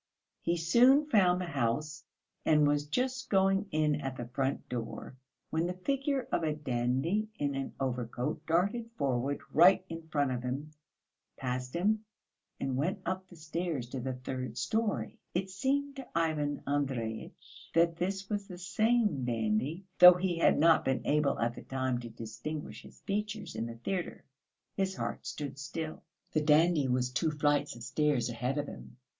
He soon found the house, and was just going in at the front door, when the figure of a dandy in an overcoat darted forward right in front of him, passed him and went up the stairs to the third storey. It seemed to Ivan Andreyitch that this was the same dandy, though he had not been able at the time to distinguish his features in the theatre. His heart stood still. The dandy was two flights of stairs ahead of him.